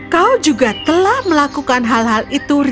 kau juga telah melakukan hal hal itu